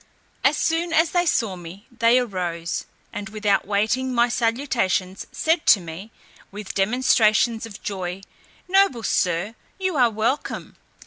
As soon as they saw me they arose, and without waiting my salutations, said to me, with demonstrations of joy, "Noble Sir, you are welcome."